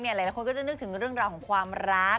หลายคนก็จะนึกถึงเรื่องราวของความรัก